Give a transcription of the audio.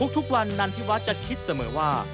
ทุกวันนั้นที่วัฒนธรรมจัดคิดเสมอว่า